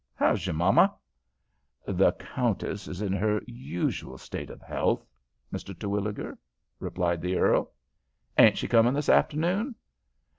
How's your mamma?" "The countess is in her usual state of health, Mr. Terwilliger," returned the earl. "Ain't she coming this afternoon?"